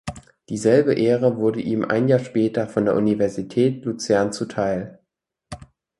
Dieselbe Ehre wurde ihm ein Jahr später von der Universität Luzern zuteil.